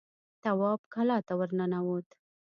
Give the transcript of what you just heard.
تواب کلا ته ور ننوت.